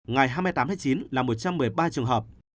ngày hai mươi tám tháng chín là một trăm một mươi ba trường hợp